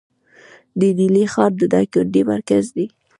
د نیلي ښار د دایکنډي مرکز دی